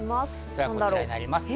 それがこちらになります。